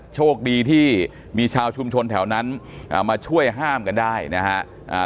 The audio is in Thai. โชคดีที่มีชาวชุมชนแถวนั้นมาช่วยห้ามกันได้นะครับ